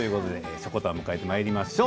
しょこたんを迎えてまいりましょう。